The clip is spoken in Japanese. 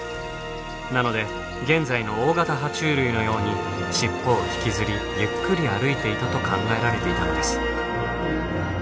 なので現在の大型は虫類のように尻尾を引きずりゆっくり歩いていたと考えられていたのです。